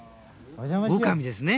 オオカミですね。